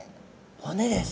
骨です。